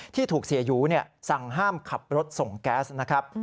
ที่ถูกเสียหยูสั่งห้ามขับรถส่งแก๊สนะครับ